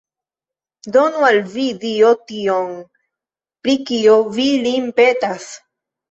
Donu al vi Dio tion, pri kio vi lin petas!